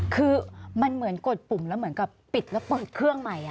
คือมันเหมือนกดปุ่มแล้วเหมือนกับปิดแล้วเปิดเครื่องใหม่